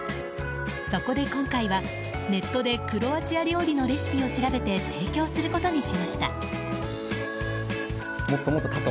そこで今回は、ネットでクロアチア料理のレシピを調べて提供することにしました。